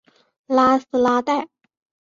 拉斯拉代。